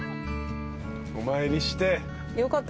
お参りして。